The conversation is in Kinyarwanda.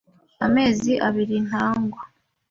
Amezi abiri ntagwa.